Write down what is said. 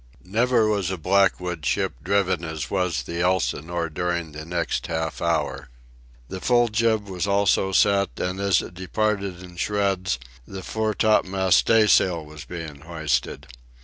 Never was a Blackwood ship driven as was the Elsinore during the next half hour. The full jib was also set, and, as it departed in shreds, the fore topmast staysail was being hoisted.